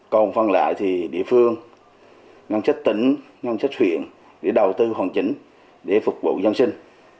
còn phần lại thì địa phương ngăn sách tỉnh ngăn sách huyện để đầu tư hoàn chỉnh để phục vụ dân sinh